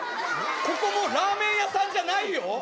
ここもうラーメン屋さんじゃないよ。